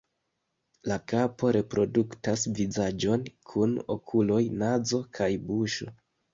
La kapo reproduktas vizaĝon kun okuloj, nazo kaj buŝo.